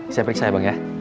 saya periksa ya bang ya